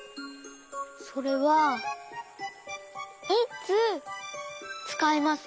それはいつつかいますか？